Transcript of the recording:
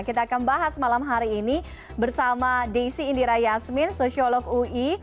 kita akan bahas malam hari ini bersama desi indira yasmin sosiolog ui